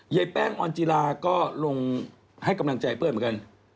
แป้งออนจิลาก็ลงให้กำลังใจเพื่อนเหมือนกัน